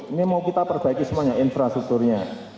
ini mau kita perbaiki semuanya infrastrukturnya